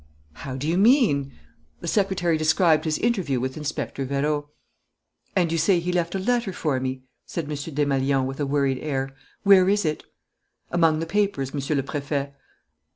"How do you mean?" The secretary described his interview with Inspector Vérot. "And you say he left a letter for me?" said M. Desmalions with a worried air. "Where is it?" "Among the papers, Monsieur le Préfet."